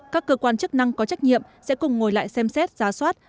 các cơ quan chức năng có trách nhiệm sẽ cùng ngồi lại xem xét giá soát